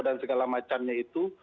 dan segala macannya itu